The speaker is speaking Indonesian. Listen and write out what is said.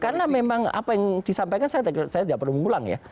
karena memang apa yang disampaikan saya tidak perlu mengulang ya